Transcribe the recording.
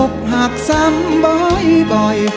อกหักซ้ำบ่อย